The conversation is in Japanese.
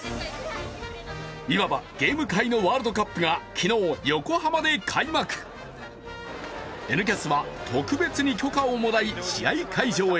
いわばゲーム界のワールドカップが昨日、横浜で開幕「Ｎキャス」は特別に許可をもらい試合会場へ。